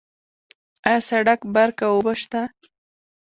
آیا سرک، برق او اوبه شته؟